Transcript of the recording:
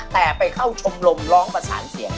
แต่ไปเข้าชมรมร้องประสานเสียง